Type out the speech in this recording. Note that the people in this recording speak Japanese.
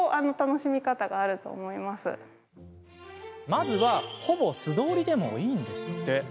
まずはほぼ素通りでもいいんですって。